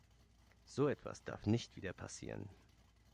So etwas darf nicht wieder passieren!